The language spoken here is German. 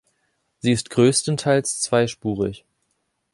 Sie ist größtenteils zweispurig.